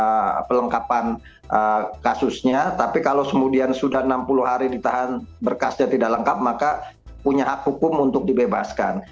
dan ini juga adalah satu aspek yang sangat penting untuk menangani kasusnya tapi kalau kemudian sudah enam puluh hari ditahan berkasnya tidak lengkap maka punya hak hukum untuk dibebaskan